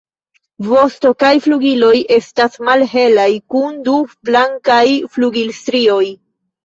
Vosto kaj flugiloj estas malhelaj kun du blankaj flugilstrioj.